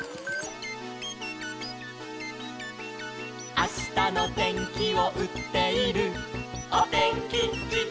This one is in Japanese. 「あしたのてんきをうっているおてんきじどうはんばいき」